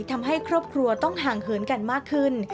ทำให้ครอบครัวต้องห่างเหินกันมากขึ้น